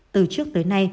từ trước tới nay